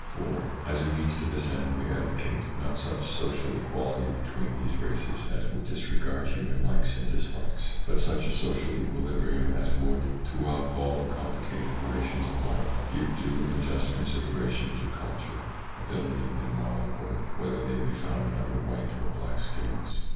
4. As a means to this end we advocate, not such social equality between these races as would disregard human likes and dislikes, but such a social equilibrium as would, throughout all the complicated relations of life, give due and just consideration to culture, ability, and moral worth, whether they be found under white or black skins.